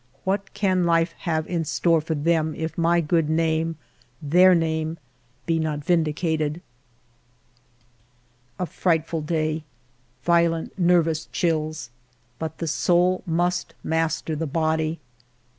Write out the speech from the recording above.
What can life have in store for them, if my good name, their name, be not vindicated ? 134 FIVE YEARS OF MY LIFE A frightful day. Violent nervous chills. But the soul must master the body.